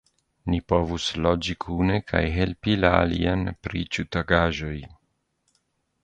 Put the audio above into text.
Ni povus loĝi kune kaj helpi la alian pri ĉiutagaĵoj.